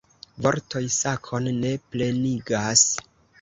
Vortoj sakon ne plenigas.